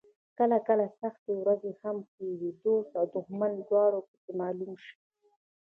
کله کله سختې ورځې هم ښې وي، دوست او دښمن دواړه پکې معلوم شي.